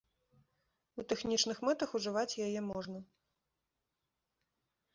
У тэхнічных мэтах ужываць яе можна.